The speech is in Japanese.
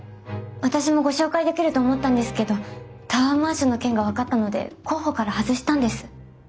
私もご紹介できると思ったんですけどタワーマンションの件が分かったので候補から外したんです。